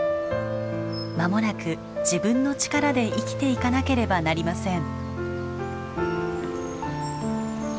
まもなく自分の力で生きていかなければなりません。